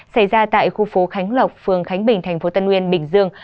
xảy ra tại khu phố khánh lộc phường khánh bình tp tân nguyên bình dương